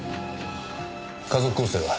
家族構成は？